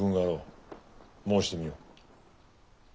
申してみよ。